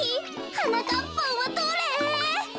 はなかっぱんはどれ？